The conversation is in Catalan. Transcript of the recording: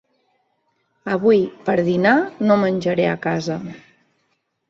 Avui, per dinar, no menjaré a casa.